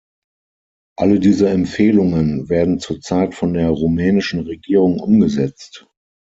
Alle diese Empfehlungen werden zurzeit von der rumänischen Regierung umgesetzt.